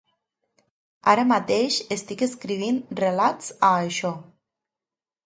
Ara mateix estic escrivint relats a això.